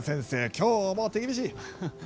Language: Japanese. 今日も手厳しい。